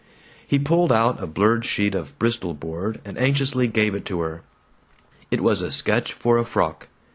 He pulled out a blurred sheet of Bristol board and anxiously gave it to her. It was a sketch for a frock.